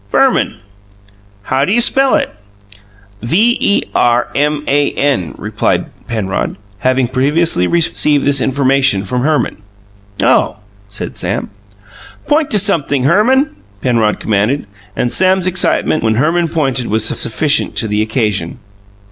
"Verman." "How d'you spell it?" "V e r m a n," replied Penrod, having previously received this information from Herman. "Oh!" said Sam. "Point to sumpthing, Herman," Penrod commanded, and Sam's excitement, when Herman pointed was sufficient to the occasion.